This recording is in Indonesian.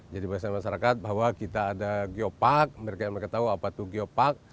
jadi bagi masyarakat bahwa kita ada geopark mereka yang mereka tahu apa itu geopark